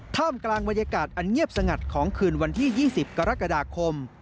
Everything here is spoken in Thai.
ท่ามกลางบรรยากาศอันเงียบสงัดของคืนวันที่๒๐กรกฎาคม